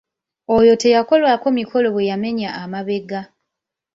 Oyo teyakolwako mikolo bwe yamenya amabega.